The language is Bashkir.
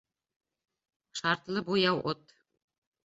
Шартлы буяу отт.